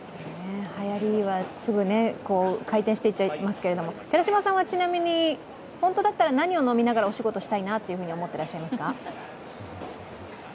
はやりはすぐ回転していっちゃいますけれども、寺島さんはちなみに、本当だったら何を飲みながらお仕事したいなと思ってらっしゃいますか？